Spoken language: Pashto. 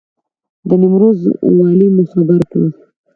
د نیمروز والي مو خبر کړ.